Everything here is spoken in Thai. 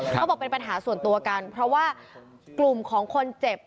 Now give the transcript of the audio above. เขาบอกเป็นปัญหาส่วนตัวกันเพราะว่ากลุ่มของคนเจ็บ